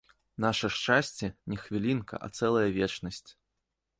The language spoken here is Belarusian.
Наша шчасце не хвілінка, а цэлая вечнасць.